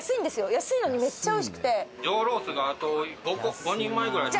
安いのにめっちゃおいしくて。